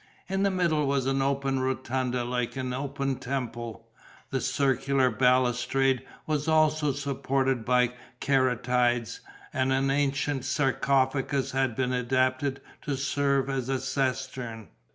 In the middle was an open rotunda like an open temple; the circular balustrade was also supported by caryatides; and an ancient sarcophagus had been adapted to serve as a cistern.